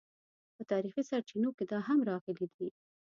په تاریخي سرچینو کې دا هم راغلي دي.